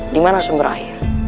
di mana sumber air